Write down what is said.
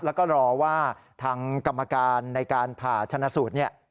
แล้วก็รอว่าทางกรรมการในการผ่าชนะสูตรเนี่ย